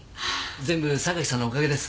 全部榊さんのおかげです。